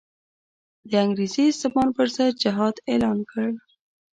د انګریزي استعمار پر ضد جهاد اعلان کړ.